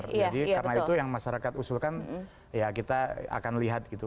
jadi karena itu yang masyarakat usulkan ya kita akan lihat gitu